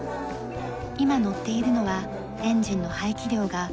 今乗っているのはエンジンの排気量が１８００